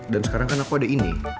dan sekarang kan aku ada ini